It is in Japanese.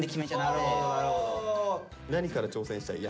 何から挑戦したい？